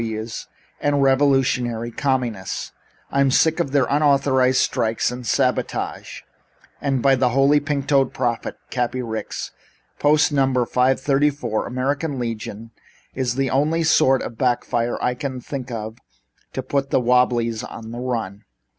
W.W.'s and revolutionary communists. I'm sick of their unauthorized strikes and sabotage, and by the Holy Pink Toed Prophet, Cappy Ricks Post. No. 534, American Legion, is the only sort of back fire I can think of to put the Wobblies on the run."